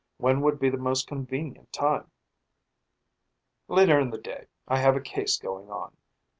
"When would be the most convenient time?" "Later in the day. I have a case going on.